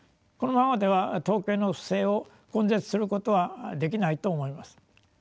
このままでは統計の不正を根絶することはできないと思います。